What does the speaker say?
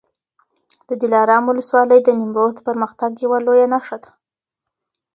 د دلارام ولسوالي د نیمروز د پرمختګ یوه لویه نښه ده.